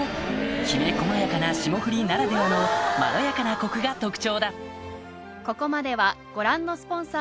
きめ細やかな霜降りならではのまろやかなコクが特徴だ